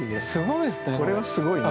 これはすごいね。